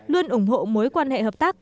luôn ủng hộ mối quan hệ hợp tác